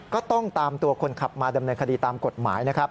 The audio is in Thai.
ก็ต้องตามตัวคนขับมาดำเนินคดีตามกฎหมายนะครับ